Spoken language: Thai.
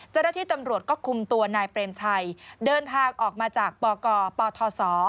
เจ้าหน้าที่ตำรวจก็คุมตัวนายเปรมชัยเดินทางออกมาจากปกปทศ